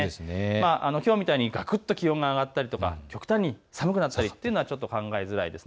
きょうみたいにがくっと気温が上がったりとか極端に寒くなったりというのは考えづらいです。